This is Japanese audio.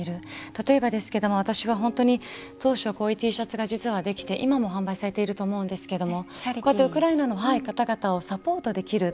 例えばですけども私は本当に当初こういうＴシャツが実はできて今も販売されていると思うんですけどもこうやってウクライナの方々をサポートできる。